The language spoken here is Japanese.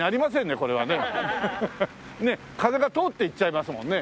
風が通っていっちゃいますもんね。